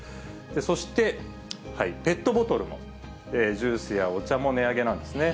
そして、ペットボトルのジュースやお茶も値上げなんですね。